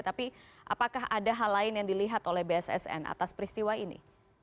tapi apakah ada hal lain yang dilihat oleh bssn atas peristiwa ini